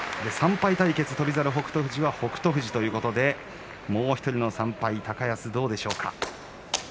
３敗対決、翔猿、北勝富士は北勝富士ということでもう１人の３敗高安はどうでしょうか？